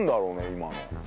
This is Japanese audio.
今の。